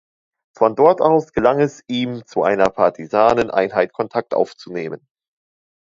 Von dort aus gelang es ihm, zu einer Partisaneneinheit Kontakt aufzunehmen.